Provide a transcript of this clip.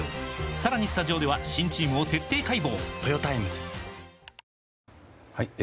さらにスタジオでは新チームを徹底解剖！